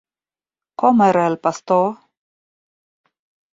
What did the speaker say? Com era el pastor?